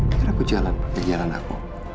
biar aku jalan pakai jalan aku